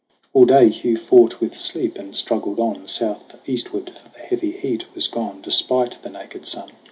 All day Hugh fought with sleep and struggled on Southeastward ; for the heavy heat was gone Despite the naked sun.